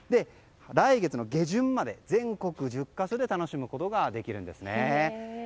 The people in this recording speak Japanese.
来月の下旬まで全国１０か所で楽しむことができるんですね。